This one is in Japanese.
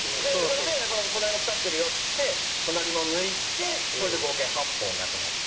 それで隣も腐ってるよっつって隣も抜いてこれで合計８本なくなって。